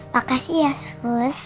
makasih ya sus